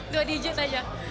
dua digit aja